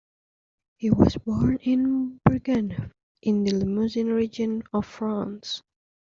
He was born in Bourganeuf, in the Limousin region of France.